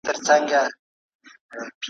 چي د دام پر سر یې غټ ملخ ته پام سو `